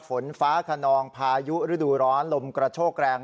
ฝนฟ้าขนองพายุฤดูร้อนลมกระโชกแรง